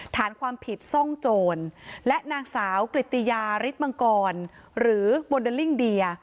ฐานความผิดซ่องโจรและนางสาวกริตติยาฤทธิมังกรหรือโมเดลลิ่งเดีย